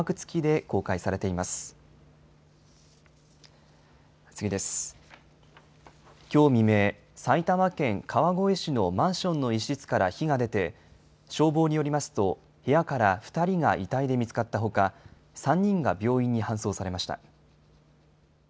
きょう未明、埼玉県川越市のマンションの１室から火が出て、消防によりますと、部屋から２人が遺体で見つかったほか、３人が病院に搬送されました。